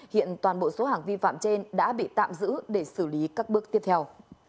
hiện toàn bộ số hàng vi phạm trên đã bị tạm giữ để xử lý các bước tiếp theo